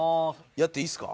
やっていいっすか？